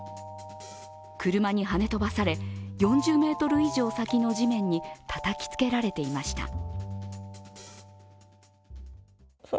車にはね飛ばされ、４０ｍ以上先の地面にたたきつけられていました。